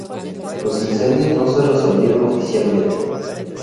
Los incendios no se resolvieron oficialmente.